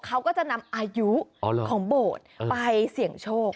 เขาก็จะนำอายุของโบสถ์ไปเสี่ยงโชค